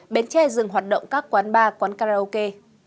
bến tre dừng hoạt động các quán bar quán karaoke